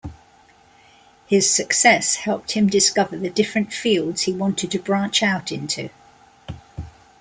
His success helped him discover the different fields he wanted to branch out into.